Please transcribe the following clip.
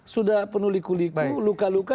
sudah penuh liku liku luka luka